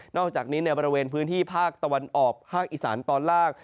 อกจากนี้ในบริเวณพื้นที่ภาคตะวันออกภาคอีสานตอนล่าง